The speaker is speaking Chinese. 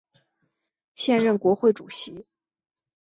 现任国会主席。